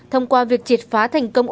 thông qua việc triệt phá thành công